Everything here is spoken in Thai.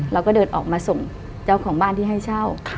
เราก็เดินออกมาส่งเจ้าของบ้านที่ให้เช่า